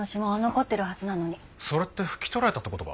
それって拭き取られたって事か？